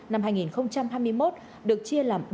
năm hai nghìn hai mươi một được chia làm